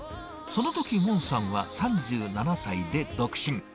そのときモンさんは３７歳で独身。